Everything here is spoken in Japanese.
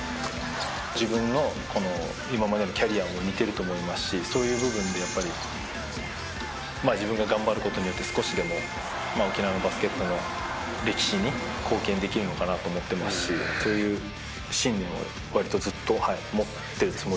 自分の今までのキャリアも似てると思いますしそういう部分でやっぱり自分が頑張る事によって少しでも沖縄のバスケットの歴史に貢献できるのかなと思ってますしそういう信念は割とずっと持ってるつもりですね。